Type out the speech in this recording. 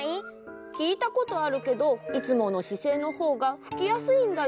きいたことあるけどいつものしせいのほうがふきやすいんだよ。